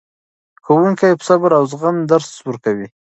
ښوونکي په صبر او زغم درس ورکوي.